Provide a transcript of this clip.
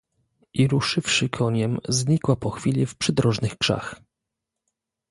"I ruszywszy koniem, znikła po chwili w przydrożnych krzach."